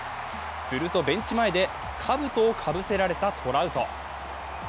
すると、ベンチ前でかぶとをかぶせられたトラウト。